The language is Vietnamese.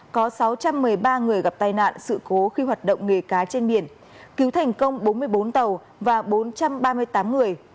có sáu trăm một mươi ba người gặp tai nạn sự cố khi hoạt động nghề cá trên biển cứu thành công bốn mươi bốn tàu và bốn trăm ba mươi tám người